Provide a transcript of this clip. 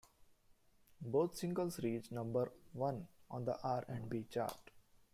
Both singles reached number one on the R and B chart.